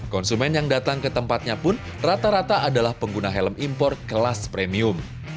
konsumen yang datang ke tempatnya pun rata rata adalah pengguna helm impor kelas premium